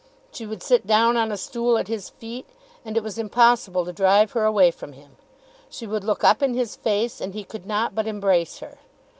She would sit down on a stool at his feet, and it was impossible to drive her away from him. She would look up in his face and he could not but embrace her.